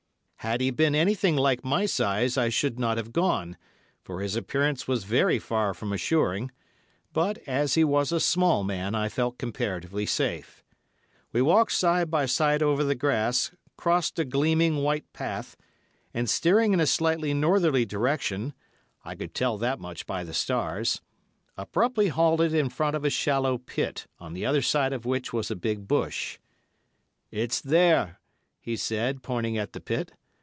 Had he been anything like my size I should not have gone, for his appearance was very far from assuring, but, as he was a small man, I felt comparatively safe. We walked side by side over the grass, crossed a gleaming, white path, and steering in a slightly northerly direction—I could tell that much by the stars—abruptly halted in front of a shallow pit, on the other side of which was a big bush. "It's there," he said, pointing at the pit.